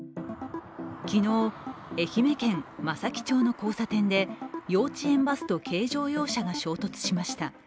昨日愛媛県松前町の交差点で幼稚園バスと軽乗用車が衝突しました。